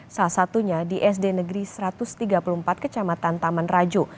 salah satunya di sd negeri satu ratus tiga puluh empat kecamatan taman rajo